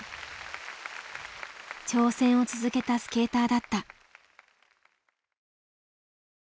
挑戦を続けたスケーターだった。